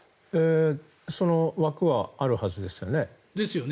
その枠はあるはずですよね。